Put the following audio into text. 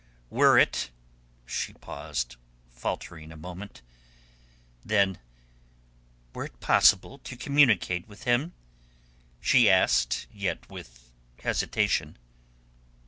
"Were it...?" she paused, faltering a moment. Then, "Were it possible to communicate with him?" she asked, yet with hesitation.